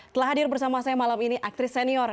telah hadir bersama saya malam ini aktris senior